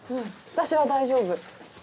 私は大丈夫。